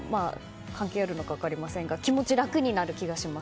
関係あるのか分かりませんが気持ち、楽になる気がします。